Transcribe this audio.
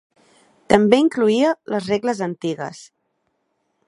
També incloïa les regles antigues.